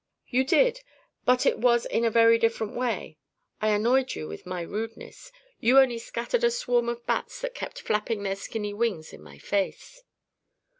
"You did; but it was in a very different way. I annoyed you with my rudeness. You only scattered a swarm of bats that kept flapping their skinny wings in my face."